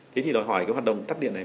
thế thì đòi hỏi cái hoạt động tắt điện này